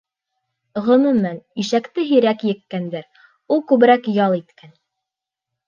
Ғөмүмән, ишәкте һирәк еккәндәр, ул күберәк ял иткән.